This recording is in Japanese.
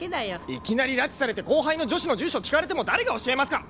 いきなり拉致されて後輩の女子の住所聞かれても誰が教えますか！